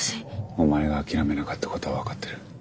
お前が諦めなかったことは分かってる。